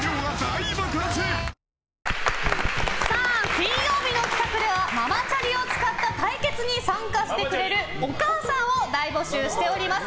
金曜日の企画ではママチャリを使った参加してくれるお母さんを大募集しております。